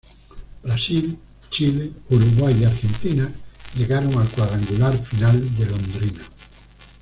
Brasil, Chile, Uruguay y Argentina llegaron al cuadrangular final de Londrina.